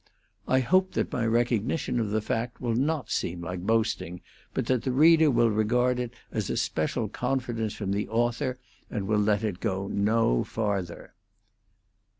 I hope that my recognition of the fact will not seem like boasting, but that the reader will regard it as a special confidence from the author and will let it go no farther.